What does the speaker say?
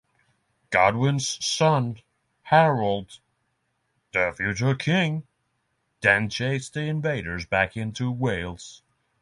Godwin's son, Harold, the future king, then chased the invaders back into Wales.